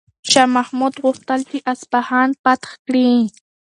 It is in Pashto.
شاه محمود غوښتل چې اصفهان فتح کړي.